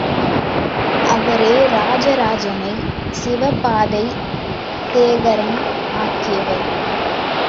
அவரே ராஜராஜனை சிவபாத சேகரன் ஆக்கியவர்.